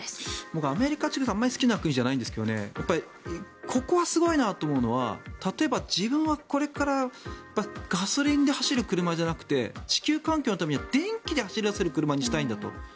僕はアメリカってあまり好きな国じゃないんですけどやっぱりここはすごいなと思うのは例えば、自分はこれからガソリンで走る車じゃなくて地球環境のために電気で走らせる車にしたいんだと。